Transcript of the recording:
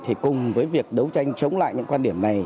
thì cùng với việc đấu tranh chống lại những quan điểm này